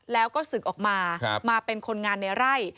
แล้วก็ศึกออกมามาเป็นคนงานในไร่